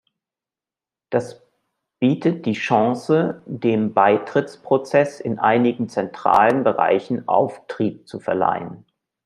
Das bietet die Chance, dem Beitrittsprozess in einigen zentralen Bereichen Auftrieb zu verleihen.